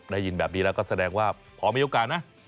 ได้ยินแบบนี้แล้วก็แสดงว่าพอมีโอกาสนะ